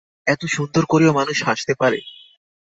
এত সুন্দর করেও মানুষ হাসতে পারে!